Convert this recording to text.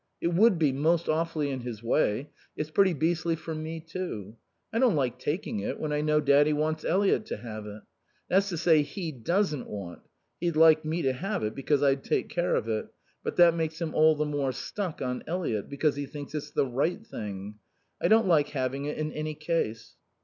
It would be most awfully in his way... It's pretty beastly for me, too. I don't like taking it when I know Daddy wants Eliot to have it. That's to say, he doesn't want; he'd like me to have it, because I'd take care of it. But that makes him all the more stuck on Eliot, because he thinks it's the right thing. I don't like having it in any case."